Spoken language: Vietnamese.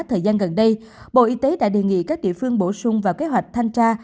thời gian gần đây bộ y tế đã đề nghị các địa phương bổ sung vào kế hoạch thanh tra